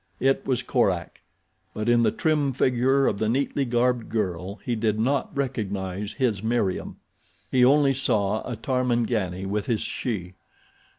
It was Korak; but in the trim figure of the neatly garbed girl he did not recognize his Meriem. He only saw a Tarmangani with his she.